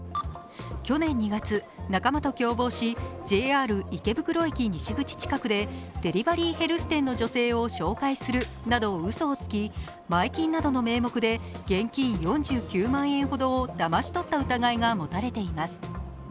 去年２月、仲間と共謀しＪＲ池袋駅西口近くでデリバリーヘルス店の女性を紹介するなどうそをつき前金などの名目で現金４９万円ほどをだまし取った疑いが持たれています。